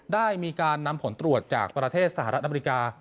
ได้มีการนำผลตรวจจากประเทศสหรัฐอเมริกา